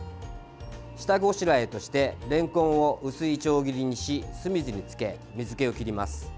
下ごしらえとしてれんこんを薄いいちょう切りにし酢水につけ、水けを切ります。